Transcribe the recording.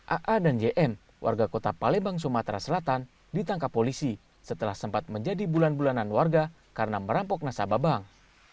aa dan jn warga kota palembang sumatera selatan ditangkap polisi setelah sempat menjadi bulan bulanan warga karena merampok nasabah bank